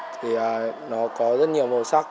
thì nó có rất nhiều màu sắc